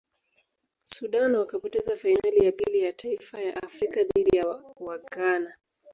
sudan wakapoteza fainali ya pili ya mataifa ya afrika dhidi ya waghnana